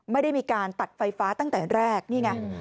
ไม่ได้มีการตัดไฟฟ้าตั้งแต่แรกนี่ไง